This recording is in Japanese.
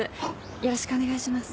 よろしくお願いします。